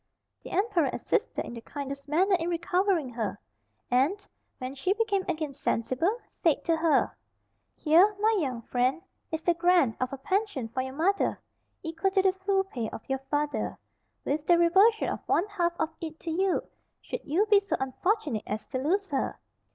The emperor assisted in the kindest manner in recovering her; and, when she became again sensible, said to her—"Here, my young friend, is the grant of a pension for your mother, equal to the full pay of your father, with the reversion of one half of it to you, should you be so unfortunate as to lose her.